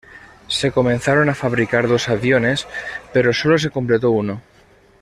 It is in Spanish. Se comenzaron a fabricar dos aviones, pero sólo se completó uno.